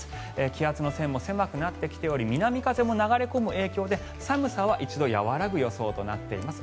気圧の線も狭くなってきており南風も流れ込む影響で寒さは一度和らぐ予想となっています。